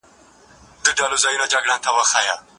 د لویې جرګي غړي له حکومت څخه څه غواړي؟